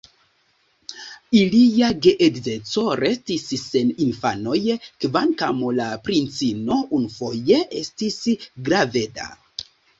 Ilia geedzeco restis sen infanoj, kvankam la princino unufoje estis graveda.